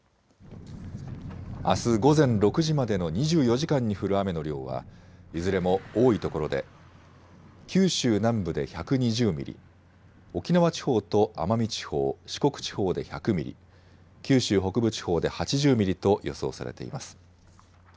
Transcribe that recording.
あす午前６時までの２４時間に降る雨の量はいずれも多いところで九州南部で１２０ミリ、沖縄地方と奄美地方、四国地方で１００ミリ、九州北部地方で８０ミリと予想されています。